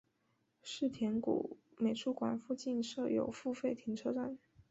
世田谷美术馆附近设有付费停车场。